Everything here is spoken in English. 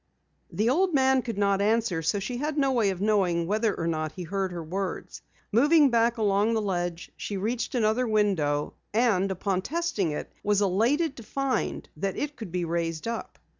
The old man could not answer so she had no way of knowing whether or not he heard her words. Moving back along the ledge she reached another window, and upon testing it was elated to find that it could be raised up.